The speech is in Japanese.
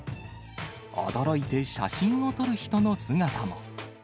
驚いて写真を撮る人の姿も。